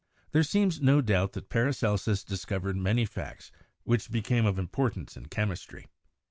There seems no doubt that Paracelsus discovered many facts which became of importance in chemistry.